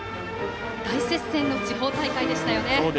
大接戦の地方大会でしたね。